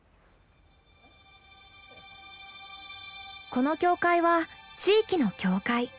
この教会は地域の教会。